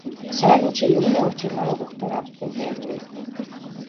Сайран чи юуны учир намайг угтан авахгүй байна вэ хө.